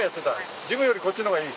事務より、こっちの方がいい？